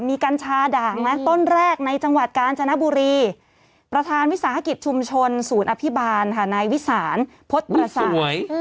มีกัญชาด่างนะต้นแรกในจังหวัดกาญจนบุรีประธานวิสาหกิจชุมชนศูนย์อภิบาลค่ะนายวิสานพดประสาท